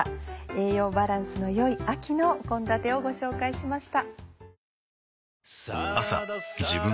栄養バランスの良い秋の献立をご紹介しました。